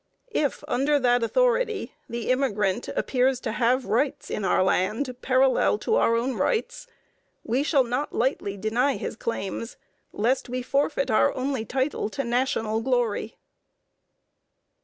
If under that authority the immigrant appears to have rights in our land parallel to our own rights, we shall not lightly deny his claims, lest we forfeit our only title to national glory.